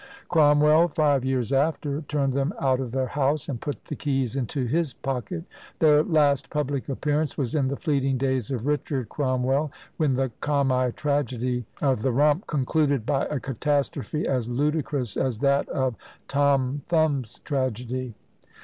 Cromwell, five years after, turned them out of their house, and put the keys into his pocket. Their last public appearance was in the fleeting days of Richard Cromwell, when the comi tragedy of "the Rump" concluded by a catastrophe as ludicrous as that of Tom Thumb's tragedy!